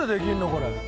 これ。